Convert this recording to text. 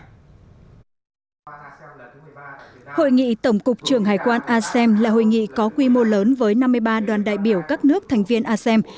hội nghị tổng cục trưởng hải quan asem là hội nghị có quy mô lớn với năm mươi ba đoàn đại biểu các nước thành viên asem